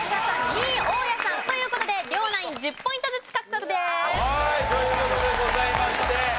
２位大家さん。という事で両ナイン１０ポイントずつ獲得です。という事でございまして。